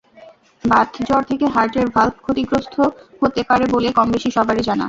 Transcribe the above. বাতজ্বর থেকে হার্টের ভালভ ক্ষতিগ্রস্ত হতে পারে বলে কম-বেশি সবারই জানা।